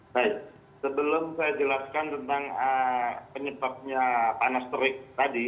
baik sebelum saya jelaskan tentang penyebabnya panas terik tadi